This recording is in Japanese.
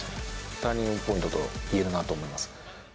ターニングポイントといえるなと思います。